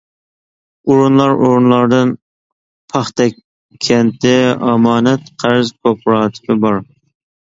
ئورۇنلار ئورۇنلاردىن پاختەك كەنتى ئامانەت-قەرز كوپىراتىپى بار.